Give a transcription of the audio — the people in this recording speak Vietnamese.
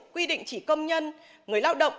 quy định chỉ công nhân người lao động